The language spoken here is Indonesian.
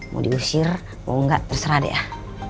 mau diusir mau enggak terserah deh ah